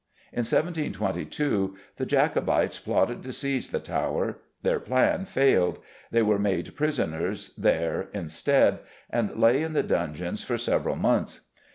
In 1722 the Jacobites plotted to seize the Tower; their plan failed; they were made prisoners there instead, and lay in the dungeons for several months.